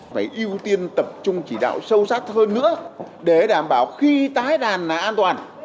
phải ưu tiên tập trung chỉ đạo sâu sắc hơn nữa để đảm bảo khi tái đàn là an toàn